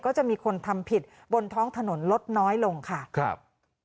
ก็จะมีคนทำผิดบนท้องถนนลดน้อยลงค่ะครับ